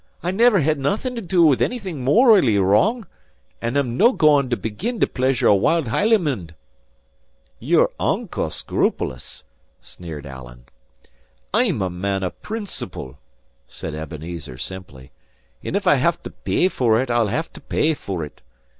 "I never had naething to do with onything morally wrong; and I'm no gaun to begin to pleasure a wild Hielandman." "Ye're unco scrupulous," sneered Alan. "I'm a man o' principle," said Ebenezer, simply; "and if I have to pay for it, I'll have to pay for it.